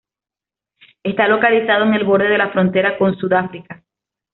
Está localizado en el borde de la frontera con Sudáfrica.